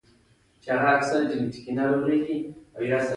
د غزني په ناوور کې څه شی شته؟